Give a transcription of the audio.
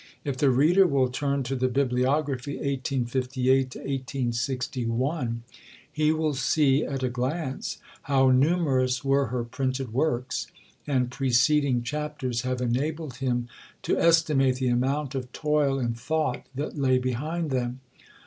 If the reader will turn to the Bibliography (1858 1861), he will see at a glance how numerous were her printed works, and preceding chapters have enabled him to estimate the amount of toil and thought that lay behind them.